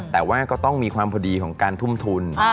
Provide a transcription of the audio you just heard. แต่ว่าก็ต้องมีความพอดีของการทุ่มทุน